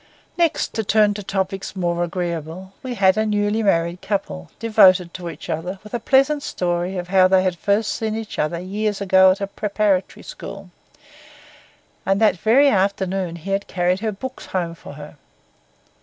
Next, to turn to topics more agreeable, we had a newly married couple, devoted to each other, with a pleasant story of how they had first seen each other years ago at a preparatory school, and that very afternoon he had carried her books home for her.